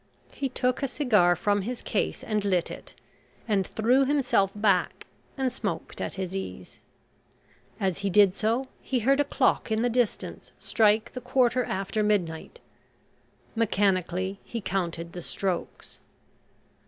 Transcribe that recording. He took a cigar from his case and lit it, and threw himself back and smoked at his ease. As he did so, he heard a clock in the distance strike the quarter after midnight; mechanically he counted the strokes.